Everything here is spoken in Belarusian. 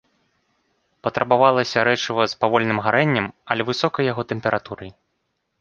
Патрабавалася рэчыва з павольным гарэннем, але высокай яго тэмпературай.